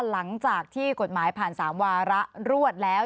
หลังจากที่กฎหมายผ่าน๓วาระรวดแล้ว